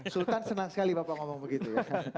sultan senang sekali bapak ngomong begitu